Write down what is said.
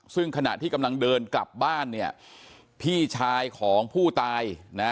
ซึ่งขณะที่กำลังเดินกลับบ้านเนี่ยพี่ชายของผู้ตายนะ